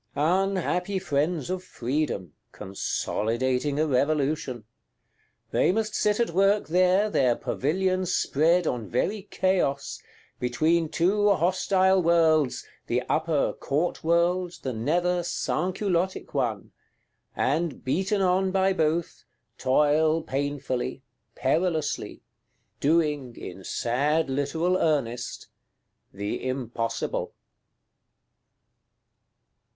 Unhappy friends of Freedom; consolidating a Revolution! They must sit at work there, their pavilion spread on very Chaos; between two hostile worlds, the Upper Court world, the Nether Sansculottic one; and, beaten on by both, toil painfully, perilously,—doing, in sad literal earnest, "the impossible."